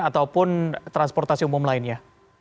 ataupun transportasi umum lainnya